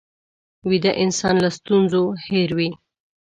ویده انسان له ستونزو هېر وي